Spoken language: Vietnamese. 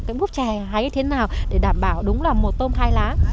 cái búp trà hái thế nào để đảm bảo đúng là một tôm hai lá